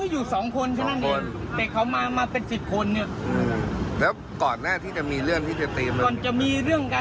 อยู่ที่หน้าร้านหรือไง